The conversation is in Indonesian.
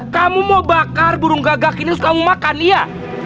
kamu mau bakar burung gagak ini harus kamu makan iya